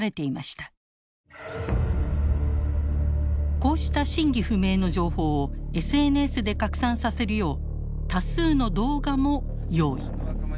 こうした真偽不明の情報をＳＮＳで拡散させるよう多数の動画も用意。